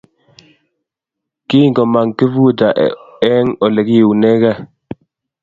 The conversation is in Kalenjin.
Kingomong Kifuja eng Ole kiunekei